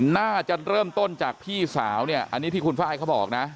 น่าจะเริ่มต้นจากพี่สาวอันนี้ที่คุณไฟเขาบอกนะ